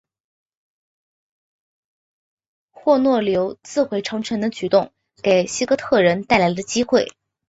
霍诺留自毁长城的举动给西哥特人带来了机会。